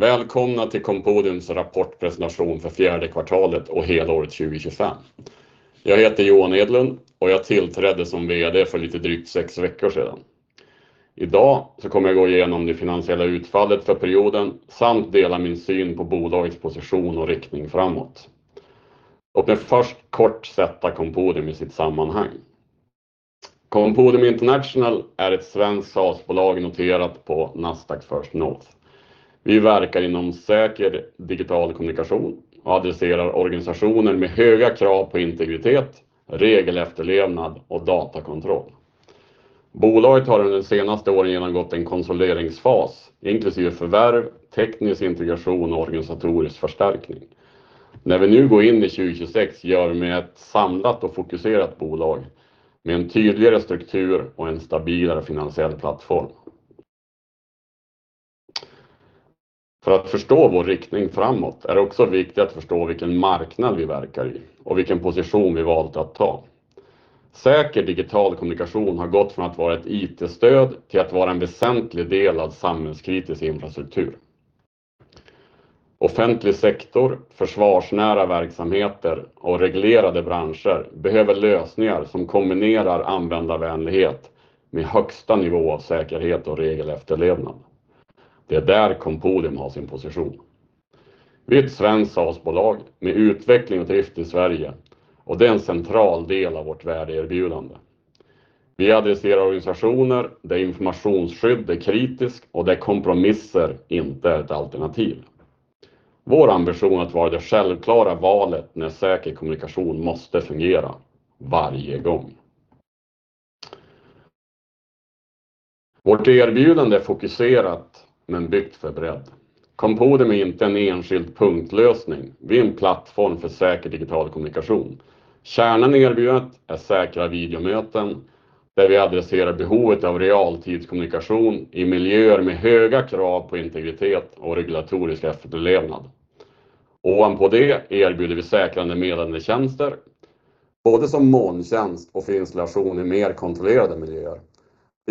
Välkomna till Compodium's rapportpresentation för fjärde kvartalet och helåret 2025. Jag heter Johan Edlund och jag tillträdde som VD för lite drygt 6 veckor sedan. Idag kommer jag gå igenom det finansiella utfallet för perioden samt dela min syn på bolagets position och riktning framåt. Låt mig först kort sätta Compodium i sitt sammanhang. Compodium International är ett svenskt SaaS-bolag noterat på Nasdaq First North. Vi verkar inom säker digital kommunikation och adresserar organisationer med höga krav på integritet, regelefterlevnad och datakontroll. Bolaget har under de senaste åren genomgått en konsolideringsfas, inklusive förvärv, teknisk integration och organisatorisk förstärkning. När vi nu går in i 2026, gör det med ett samlat och fokuserat bolag, med en tydligare struktur och en stabilare finansiell plattform. För att förstå vår riktning framåt är det också viktigt att förstå vilken marknad vi verkar i och vilken position vi valt att ta. Säker digital kommunikation har gått från att vara ett IT-stöd till att vara en väsentlig del av samhällskritisk infrastruktur. Offentlig sektor, försvarsnära verksamheter och reglerade branscher behöver lösningar som kombinerar användarvänlighet med högsta nivå av säkerhet och regelefterlevnad. Det är där Compodium har sin position. Vi är ett svenskt SaaS-bolag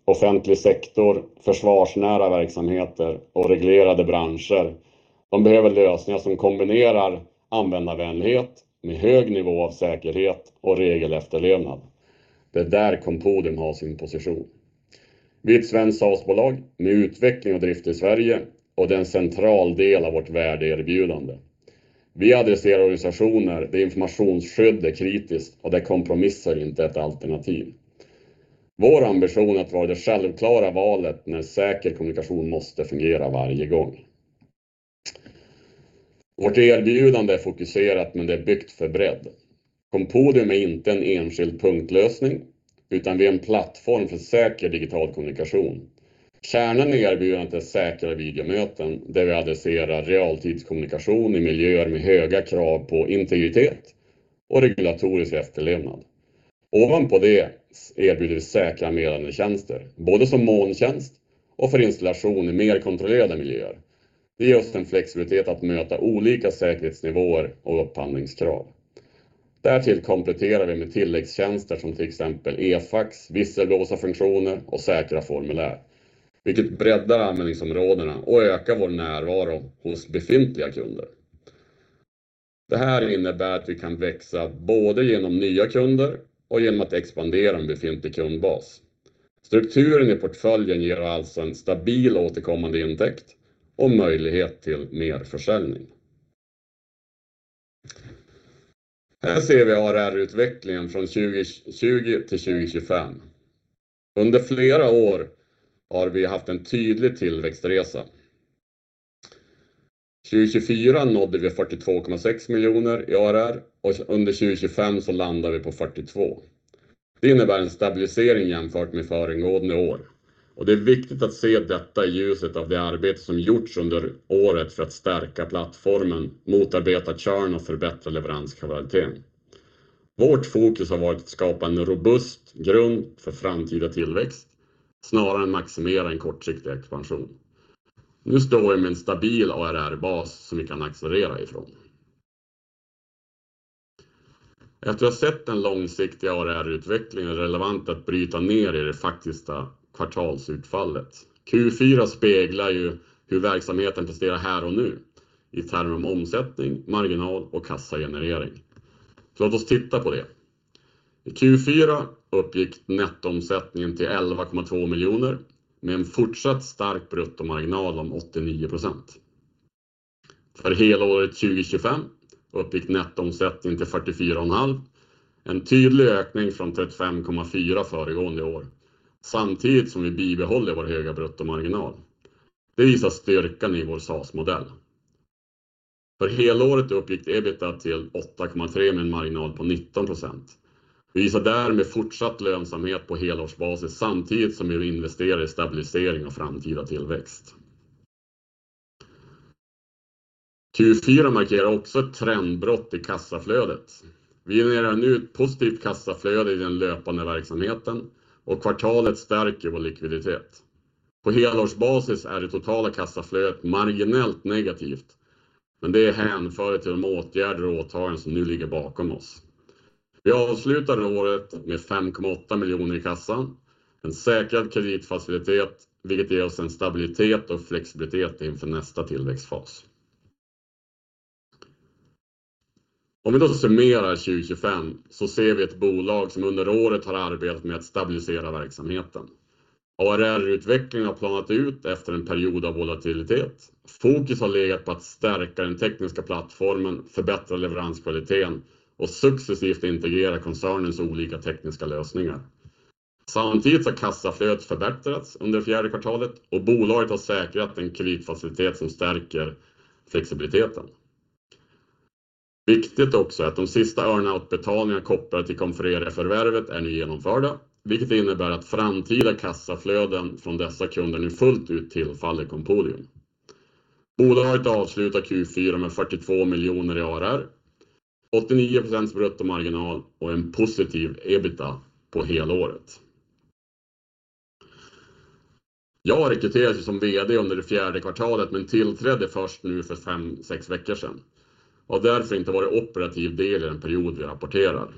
med utveckling och drift i Sverige och det är en central del av vårt värdeerbjudande. Vi adresserar organisationer där informationsskydd är kritiskt och där kompromisser inte är ett alternativ. Ovanpå det erbjuder vi säkra meddelandetjänster, både som molntjänst och för installation i mer kontrollerade miljöer. Det ger oss den flexibilitet att möta olika säkerhetsnivåer och upphandlingskrav. Därtill kompletterar vi med tilläggstjänster som till exempel eFax, visselblåsarfunktioner och säkra formulär, vilket breddar användningsområdena och ökar vår närvaro hos befintliga kunder. Det här innebär att vi kan växa både genom nya kunder och genom att expandera en befintlig kundbas. Strukturen i portföljen ger alltså en stabil och återkommande intäkt och möjlighet till merförsäljning. Här ser vi ARR-utvecklingen från 2020 till 2025. Under flera år har vi haft en tydlig tillväxtresa. 2024 nådde vi SEK 42.6 million i ARR och under 2025 så landar vi på SEK 42. Det innebär en stabilisering jämfört med föregående år och det är viktigt att se detta i ljuset av det arbete som gjorts under året för att stärka plattformen, motarbeta churn och förbättra leveranskvaliteten. Vårt fokus har varit att skapa en robust grund för framtida tillväxt, snarare än maximera en kortsiktig expansion. Nu står vi med en stabil ARR-bas som vi kan accelerera ifrån. Efter att ha sett den långsiktiga ARR-utvecklingen är relevant att bryta ner i det faktiska kvartalsutfallet. Q4 speglar ju hur verksamheten presterar här och nu, i termer om omsättning, marginal och kassagenerering. Låt oss titta på det. I Q4 uppgick nettoomsättningen till SEK 11.2 million med en fortsatt stark bruttomarginal om 89%. För hela året 2025 uppgick nettoomsättningen till SEK 44.5 million. En tydlig ökning från SEK 35.4 million föregående år, samtidigt som vi bibehåller vår höga bruttomarginal. Det visar styrkan i vår SaaS-modell. För helåret uppgick EBITDA till SEK 8.3 med en marginal på 19%. Visar därmed fortsatt lönsamhet på helårsbasis, samtidigt som vi investerar i stabilisering av framtida tillväxt. Q4 markerar också ett trendbrott i kassaflödet. Vi genererar nu ett positivt kassaflöde i den löpande verksamheten och kvartalet stärker vår likviditet. På helårsbasis är det totala kassaflödet marginellt negativt, det är hänförligt till de åtgärder och åtaganden som nu ligger bakom oss. Vi avslutar året med SEK 5.8 million i kassan, en säkrad kreditfacilitet, vilket ger oss en stabilitet och flexibilitet inför nästa tillväxtfas. Om vi då summerar 2025, ser vi ett bolag som under året har arbetat med att stabilisera verksamheten. ARR-utvecklingen har planat ut efter en period av volatilitet. Fokus har legat på att stärka den tekniska plattformen, förbättra leveranskvaliteten och successivt integrera koncernens olika tekniska lösningar. Samtidigt har kassaflödet förbättrats under det fourth quarter och bolaget har säkrat en kreditfacilitet som stärker flexibiliteten. Viktigt också är att de sista earn-out-betalningar kopplade till Confrere-förvärvet är nu genomförda, vilket innebär att framtida kassaflöden från dessa kunder nu fullt ut tillfaller Compodium. Bolaget avslutar Q4 med SEK 42 miljoner i ARR, 89% bruttomarginal och en positiv EBITDA på helåret. Jag rekryterades som VD under det fourth quarter, men tillträdde först nu för 5, 6 veckor sedan och har därför inte varit operativt del i den period vi rapporterar.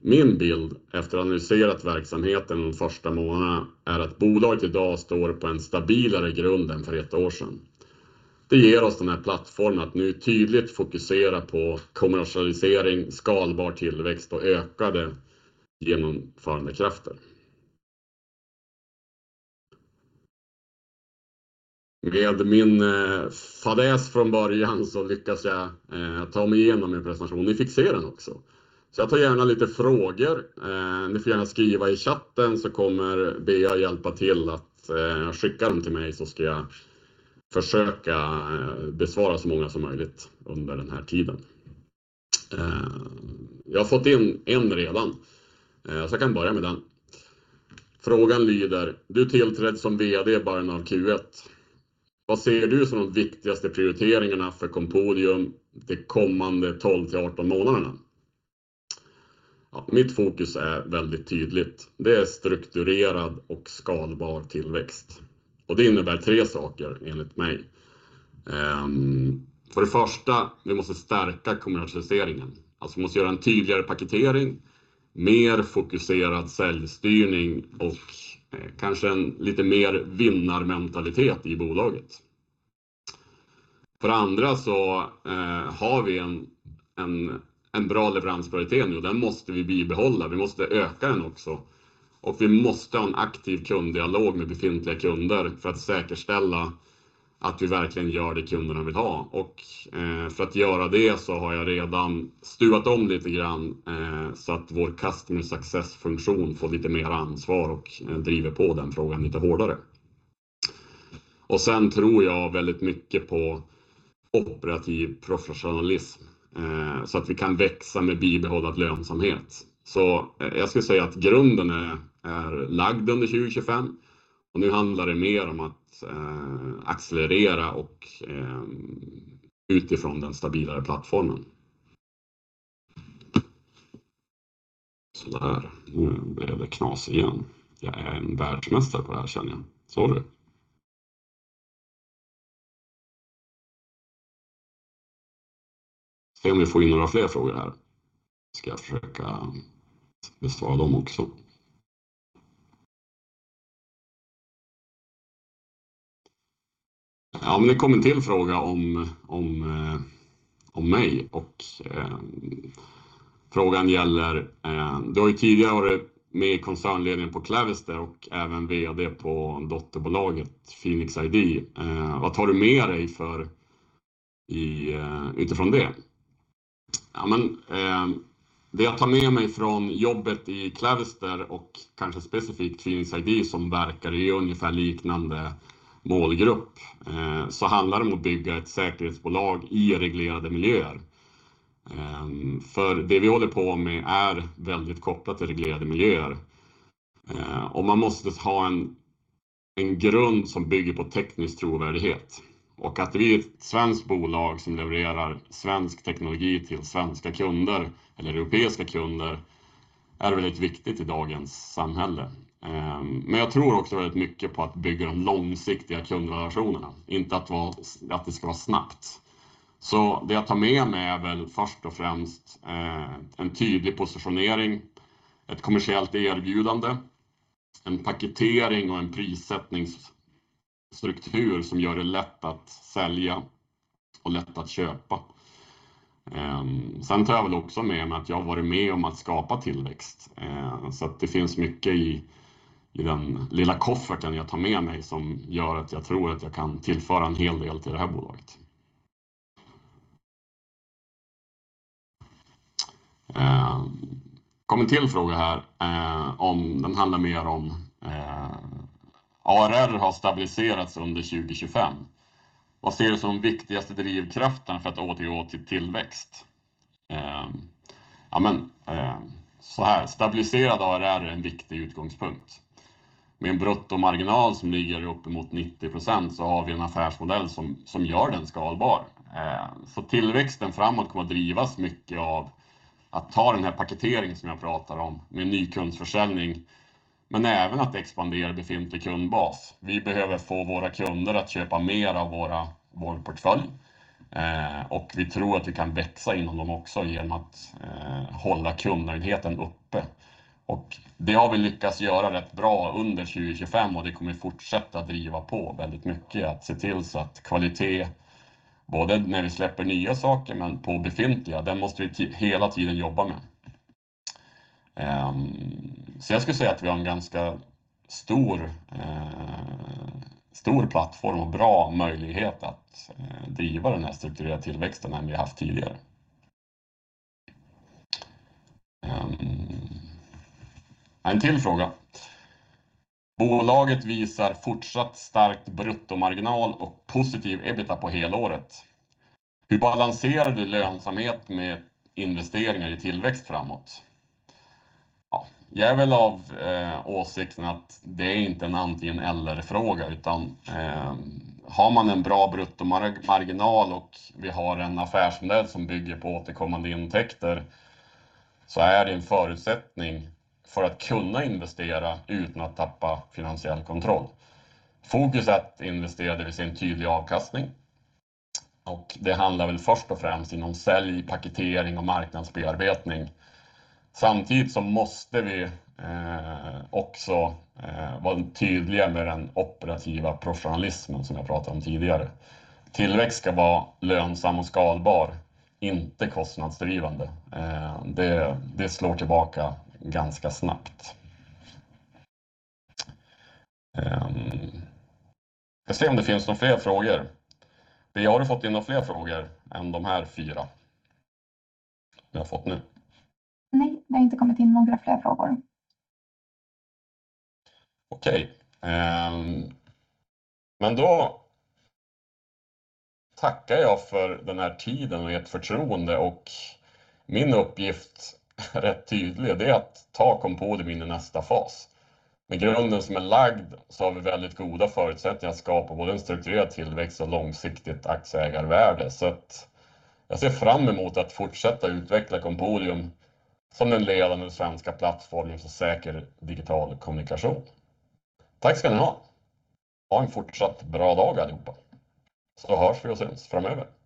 Min bild, efter att ha analyserat verksamheten under de första månaderna, är att bolaget i dag står på en stabilare grund än för 1 år sedan. Det ger oss den här plattformen att nu tydligt fokusera på kommersialisering, skalbar tillväxt och ökade genomförandekräfter. Vad gällde min fadäs från början så lyckades jag ta mig igenom min presentation. Ni fick se den också. Jag tar gärna lite frågor. Ni får gärna skriva i chatten, Bea kommer hjälpa till att skicka dem till mig. Jag ska försöka besvara så många som möjligt under den här tiden. Jag har fått in en redan. Jag kan börja med den. Frågan lyder: Du tillträdde som VD i början av Q1. Vad ser du som de viktigaste prioriteringarna för Compodium, de kommande 12 till 18 månaderna? Mitt fokus är väldigt tydligt. Det är strukturerad och skalbar tillväxt. Det innebär 3 saker enligt mig. För det första, vi måste stärka kommersialiseringen. Alltså, vi måste göra en tydligare paketering, mer fokuserad säljstyrning och kanske en lite mer vinnarmentalitet i bolaget. För det andra, har vi en bra leveranskvalitet nu. Den måste vi bibehålla, vi måste öka den också. Vi måste ha en aktiv kunddialog med befintliga kunder för att säkerställa att vi verkligen gör det kunderna vill ha. För att göra det så har jag redan stuvat om lite grann, så att vår customer success-funktion får lite mer ansvar och driver på den frågan lite hårdare. Sen tror jag väldigt mycket på operativ professionalism, så att vi kan växa med bibehållen lönsamhet. Jag skulle säga att grunden är lagd under 2025 och nu handlar det mer om att accelerera och utifrån den stabilare plattformen. Nu blev det knas igen. Jag är en världsmästare på det här känner jag. Sorry! Se om vi får in några fler frågor här. Ska jag försöka besvara dem också. Det kom en till fråga om mig och frågan gäller: Du har ju tidigare varit med i koncernledningen på Clavister och även VD på dotterbolaget PhenixID. Vad tar du med dig utifrån det? Det jag tar med mig från jobbet i Clavister och kanske specifikt PhenixID, som verkar i ungefär liknande målgrupp, handlar det om att bygga ett säkerhetsbolag i reglerade miljöer. För det vi håller på med är väldigt kopplat till reglerade miljöer. En grund som bygger på teknisk trovärdighet och att vi är ett svenskt bolag som levererar svensk teknologi till svenska kunder eller europeiska kunder, är väldigt viktigt i dagens samhälle. Jag tror också väldigt mycket på att bygga de långsiktiga kundrelationerna, inte att det ska vara snabbt. Det jag tar med mig är väl först och främst en tydlig positionering, ett kommersiellt erbjudande, en paketering och en prissättningsstruktur som gör det lätt att sälja och lätt att köpa. Sen tar jag väl också med mig att jag har varit med om att skapa tillväxt. Det finns mycket i den lilla kofferten jag tar med mig som gör att jag tror att jag kan tillföra en hel del till det här bolaget. Det kom en till fråga här om den handlar mer om ARR har stabiliserats under 2025. Vad ser du som viktigaste drivkrafterna för att återgå till tillväxt? Ja men, såhär, stabiliserad ARR är en viktig utgångspunkt. Med en bruttomarginal som ligger uppemot 90% så har vi en affärsmodell som gör den skalbar. Tillväxten framåt kommer att drivas mycket av att ta den här paketeringen som jag pratar om med ny kundförsäljning, men även att expandera befintlig kundbas. Vi behöver få våra kunder att köpa mer av vår portfölj. Vi tror att vi kan växa inom dem också igenom att hålla kundnöjdheten uppe. Det har vi lyckats göra rätt bra under 2025 och det kommer att fortsätta driva på väldigt mycket att se till så att kvalitet, både när vi släpper nya saker, men på befintliga, den måste vi hela tiden jobba med. Jag skulle säga att vi har en ganska stor plattform och bra möjlighet att driva den här strukturerade tillväxten än vi haft tidigare. En till fråga: Bolaget visar fortsatt stark bruttomarginal och positiv EBITDA på helåret. Hur balanserar du lönsamhet med investeringar i tillväxt framåt? Ja, jag är väl av åsikten att det är inte en antingen eller-fråga, utan har man en bra bruttomarginal och vi har en affärsmodell som bygger på återkommande intäkter, så är det en förutsättning för att kunna investera utan att tappa finansiell kontroll. Fokus är att investera, det vill se en tydlig avkastning. Det handlar väl först och främst inom sälj, paketering och marknadsbearbetning. Samtidigt måste vi också vara tydliga med den operativa professionalismen som jag pratade om tidigare. Tillväxt ska vara lönsam och skalbar, inte kostnadsdrivande. Det slår tillbaka ganska snabbt. Jag se om det finns några fler frågor. Vi har du fått in några fler frågor än de här 4? Vi har fått nu. Nej, det har inte kommit in några fler frågor. Okej, då tackar jag för den här tiden och ert förtroende och min uppgift, rätt tydlig, det är att ta Compodium in i nästa fas. Med grunden som är lagd så har vi väldigt goda förutsättningar att skapa både en strukturerad tillväxt och långsiktigt aktieägarvärde. Jag ser fram emot att fortsätta utveckla Compodium som den ledande svenska plattformen för säker digital kommunikation. Tack ska ni ha! Ha en fortsatt bra dag allihopa. Hörs vi och syns framöver.